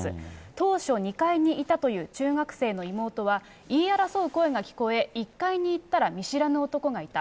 当初、２階にいたという中学生の妹は、言い争う声が聞こえ、１階に行ったら見知らぬ男がいた。